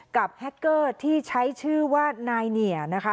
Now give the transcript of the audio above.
แฮคเกอร์ที่ใช้ชื่อว่านายเหนียนะคะ